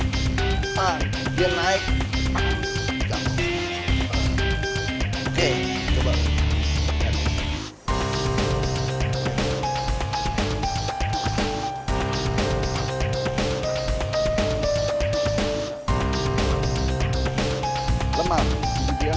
dia enggak punya pertahanan